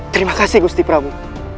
terima kasih gusti prabu